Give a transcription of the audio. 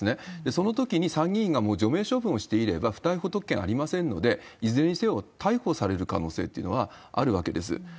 そのときに参議院がもう除名処分をしていれば、不逮捕特権ありませんので、いずれにせよ逮捕される可能性というのはあるわけです。